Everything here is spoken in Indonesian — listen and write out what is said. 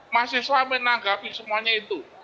masih selama menanggapi semuanya itu